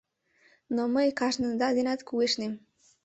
Но мый кажныда денат кугешнем.